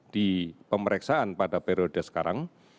di pemeriksaan pada periode sekarang